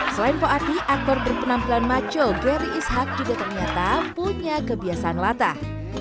selain voati aktor berpenampilan maco grary ishak juga ternyata punya kebiasaan latah